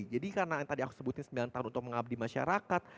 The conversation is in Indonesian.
jadi karena yang tadi aku sebutin sembilan tahun untuk mengabdi masyarakat